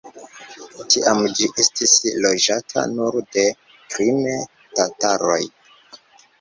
Tiam ĝi estis loĝata nur de krime-tataroj.